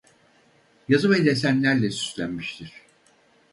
Yazı ve desenlerle süslenmiştir.